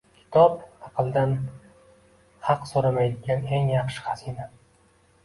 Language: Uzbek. Kitob – aqldan haq so‘ramaydigan eng yaxshi xazina